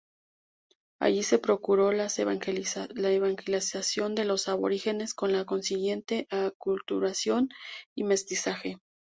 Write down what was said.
Allí se procuró la evangelización de los aborígenes, con la consiguiente aculturación y mestizaje.